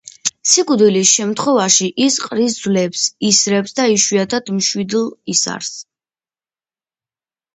სიკვდილის შემთხვევაში ის ყრის ძვლებს, ისრებს და იშვიათად მშვილდ-ისარს.